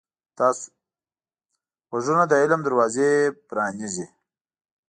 غوږونه د علم دروازې پرانیزي